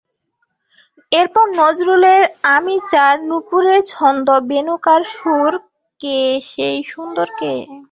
এরপর নজরুলের আমি যার নূপুরের ছন্দ বেণুকার সুর কে সেই সুন্দর কে?